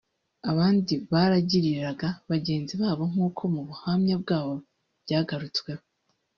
abandi baragiriraga bagenzi babo nk’uko mu buhamya bwabo byagarutsweho